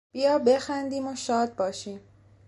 بیا بخندیم و شاد باشیم!